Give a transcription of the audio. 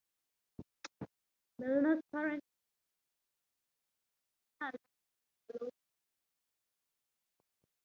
Milnor's current interest is dynamics, especially holomorphic dynamics.